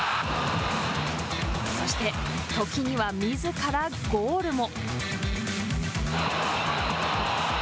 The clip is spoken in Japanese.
そして、時にはみずからゴールも。